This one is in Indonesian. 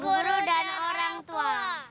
guru dan orang tua